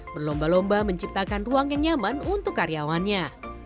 berlomba lomba menciptakan ruang yang nyaman untuk karyawannya